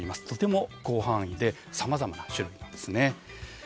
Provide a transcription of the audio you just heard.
とても広範囲でさまざまな種類なんですね。